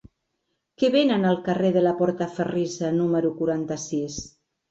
Què venen al carrer de la Portaferrissa número quaranta-sis?